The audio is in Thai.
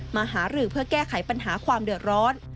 หารือเพื่อแก้ไขปัญหาความเดือดร้อน